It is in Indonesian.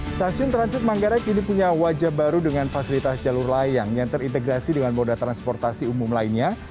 stasiun transit manggarai kini punya wajah baru dengan fasilitas jalur layang yang terintegrasi dengan moda transportasi umum lainnya